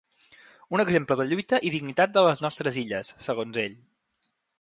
Un exemple de lluita i dignitat de les nostres illes, segons ell.